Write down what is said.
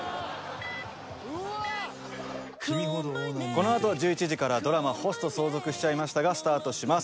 このあと１１時からドラマ「ホスト相続しちゃいました」がスタートします。